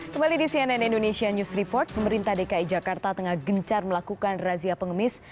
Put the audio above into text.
kembali di cnn indonesia news report pemerintah dki jakarta tengah gencar melakukan razia pengemis